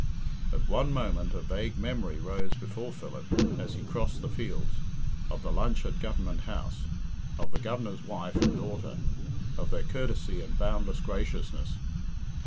At one moment a vague memory rose before Philip, as he crossed the fields, of the lunch at Government House, of the Governor's wife and daughter, of their courtesy and boundless graciousness.